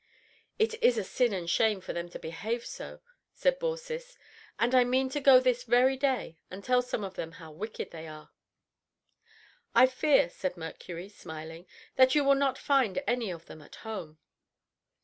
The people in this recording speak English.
"It is a sin and shame for them to behave so," said Baucis, "and I mean to go this very day and tell some of them how wicked they are." "I fear," said Mercury, smiling, "that you will not find any of them at home."